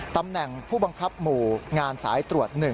ตำแหน่งผู้บังคับหมู่งานสายตรวจ๑